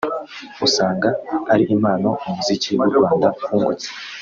usanga ari impano umuziki w'u Rwanda wungutse